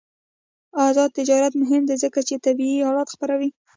آزاد تجارت مهم دی ځکه چې طبي آلات خپروي.